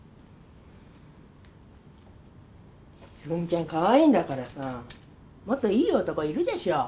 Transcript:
つぐみちゃんかわいいんだからさもっといい男いるでしょ？